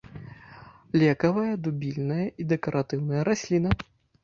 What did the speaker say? Лекавая, дубільная і дэкаратыўная расліна.